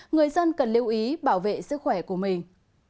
người dân cần lưu ý bảo vệ sức khỏe của mình